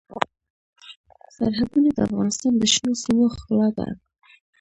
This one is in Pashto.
سرحدونه د افغانستان د شنو سیمو ښکلا ده.